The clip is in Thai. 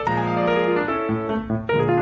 โอ้โหโอ้โห